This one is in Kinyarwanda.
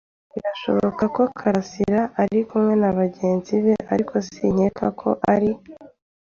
Birashoboka ko karasira ari kumwe nabagenzi be, ariko sinkeka ko ari.